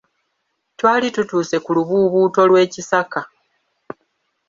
Twali tutuuse ku lubuubuuto lw'ekisaka.